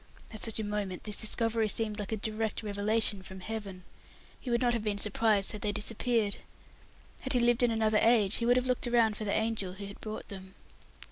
At such a moment, this discovery seemed like a direct revelation from Heaven. He would not have been surprised had they disappeared. Had he lived in another age, he would have looked round for the angel who had brought them.